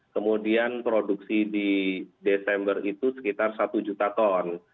kemudian produksi di desember itu sekitar satu juta ton